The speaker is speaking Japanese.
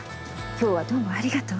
今日はどうもありがとう。